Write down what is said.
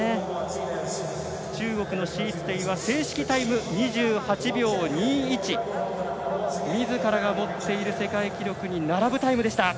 中国の史逸てい正式タイムが２８秒２１みずからが持っている世界記録に並ぶタイムでした。